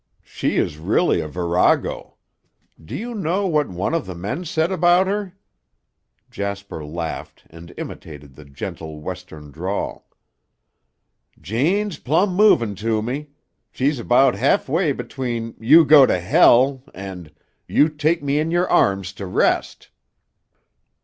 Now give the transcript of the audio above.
She is really a virago. Do you know what one of the men said about her?" Jasper laughed and imitated the gentle Western drawl. "Jane's plumb movin' to me. She's about halfway between 'You go to hell' and 'You take me in your arms to rest.'"